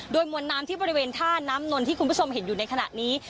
โดยมวลน้ำที่บริเวณท่าน้ำนนที่คุณผู้ชมเห็นอยู่ในขณะนี้